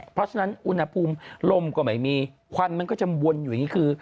เพราะฉะนั้นอุณหภูมิลมก็ไม่มีควันมันก็จะวนอยู่อย่างนี้คือ